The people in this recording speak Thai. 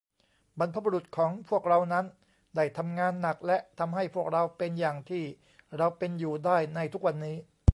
บรรพบุรุษของพวกเรานั้น ได้ทำงานหนัก และ ทำให้พวกเราเป็นอย่างที่เราเป็นอยู่ได้ในทุกวันนี้